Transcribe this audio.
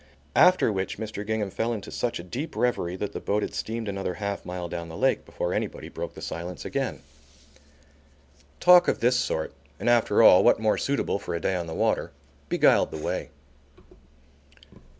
After which Mr. Gingham fell into such a deep reverie that the boat had steamed another half mile down the lake before anybody broke the silence again. Talk of this sort, and after all what more suitable for a day on the water? beguiled the way.